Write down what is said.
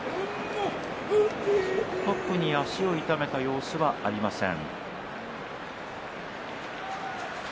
特に足を痛めた様子はありません。